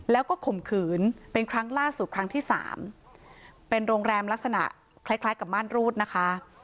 แล้วก็ข่มขืนเป็นครั้งล่าสุดครั้งที่สามเป็นโรงแรมลักษณะคล้ายคล้ายกับม่านรูดนะคะ